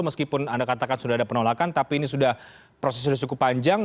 meskipun anda katakan sudah ada penolakan tapi ini sudah proses sudah cukup panjang